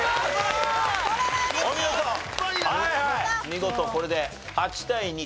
見事これで８対２と。